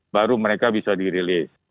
baru mereka bisa dirilis